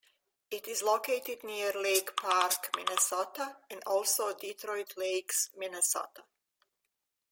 It is located near Lake Park, Minnesota and also Detroit Lakes, Minnesota.